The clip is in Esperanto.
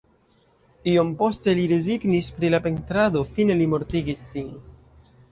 Iom poste li rezignis pri la pentrado, fine li mortigis sin.